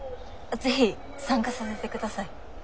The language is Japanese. ぜひ参加させてください。